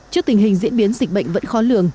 trước tình hình diễn biến dịch bệnh vẫn khó lường